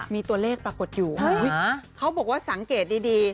มีตัวเลขปรากฏอยู่เขาบอกว่าสังเกตดี